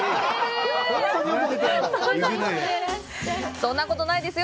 そんなことないですよ。